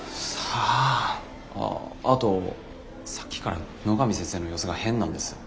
ああとさっきから野上先生の様子が変なんです。